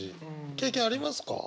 経験ありますか？